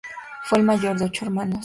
Fue el mayor de ocho hermanos.